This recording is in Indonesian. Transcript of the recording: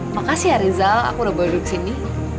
makasih ya rizal aku udah baru duduk sini